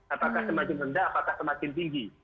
apakah semakin rendah apakah semakin tinggi